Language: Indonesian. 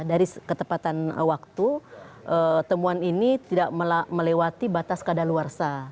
dari ketepatan waktu temuan ini tidak melewati batas keadaan luar sah